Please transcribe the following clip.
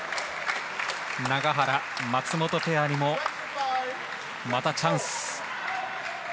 永原、松本ペアにもまたチャンス。